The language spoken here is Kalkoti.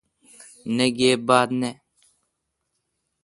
نہ گیب بات نین۔